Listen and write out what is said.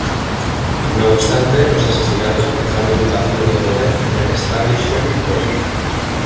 No obstante, los asesinatos dejaron un vacío de poder en el establishment político.